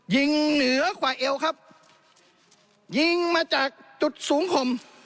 ยิงเหนือขวายเอวครับยิงมาจากจุดสูงข่ม